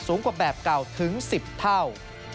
กว่าแบบเก่าถึง๑๐เท่า